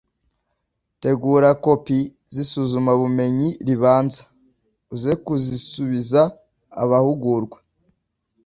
tegura kopi z’isuzumabumenyi ribanza, uze kuzisubiza abahugurwa